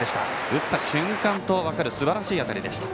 打った瞬間、分かるすばらしい当たりでした。